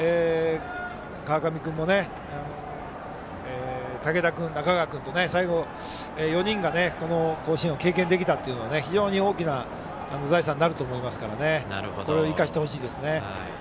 川上君、竹田君、中川君と最後、４人が甲子園を経験できたというのは大きな財産になると思うので生かしてほしいです。